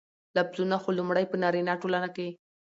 لفظونه خو لومړى په نارينه ټولنه کې